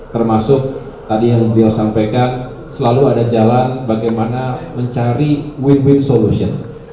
termasuk tadi yang beliau sampaikan selalu ada jalan bagaimana mencari win win solution